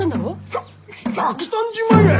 ひゃ１３０万円！？